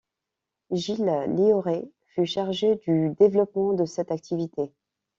Gilles Lioret fut chargé du développement de cette activité.